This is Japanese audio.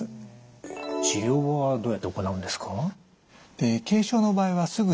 治療はどうやって行うんですか？